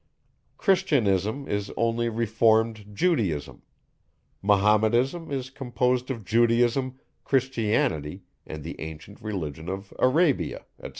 Christianism is only reformed Judaism. Mahometanism is composed of Judaism, Christianity, and the ancient religion of Arabia, etc.